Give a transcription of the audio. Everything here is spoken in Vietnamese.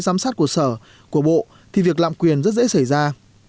giám sát của sở của bộ thì việc lạm quyền rất dễ xảy ra